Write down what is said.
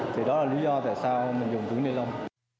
thì đó là lý do tại sao mình dùng túi ni lông